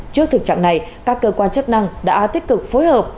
trước thực trạng này các cơ quan chức năng đã tích cực phối hợp